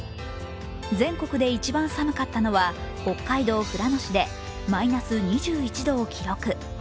全国で一番寒かったのは北海道富良野市でマイナス２１度を記録。